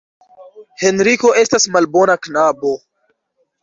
Henriko estas malbona knabo.